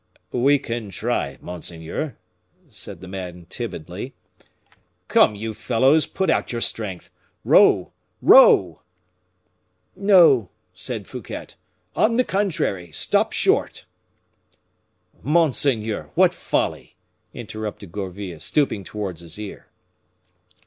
"We can try, monseigneur," said the man, timidly. "Come, you fellows, put out your strength; row, row!" "No," said Fouquet, "on the contrary; stop short." "Monseigneur! what folly!" interrupted Gourville, stooping towards his ear.